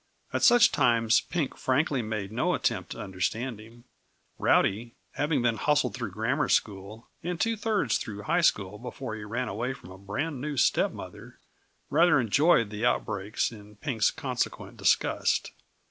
At such times Pink frankly made no attempt to understand him; Rowdy, having been hustled through grammar school and two thirds through high school before he ran away from a brand new stepmother, rather enjoyed the outbreaks and Pink's consequent disgust.